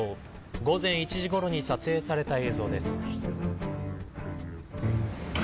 午前１時ごろに撮影された映像です。